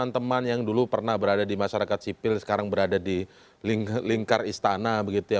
teman teman yang dulu pernah berada di masyarakat sipil sekarang berada di lingkar istana begitu ya